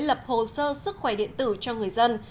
lập hồ sơ sức khỏe điện tử cho người dân